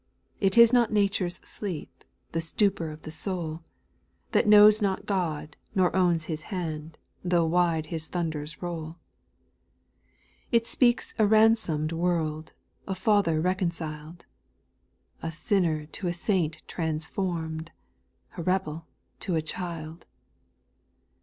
3. It is not nature's sleep, The stupor of the soul, That knows not God, nor owns His hand, Tho^ wide His thunders roll. 4. It speaks a ransomed world, A Father reconciled, A sinner to a saint transformed, A rebel to a child.